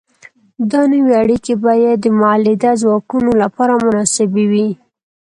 دا نوې اړیکې باید د مؤلده ځواکونو لپاره مناسبې وي.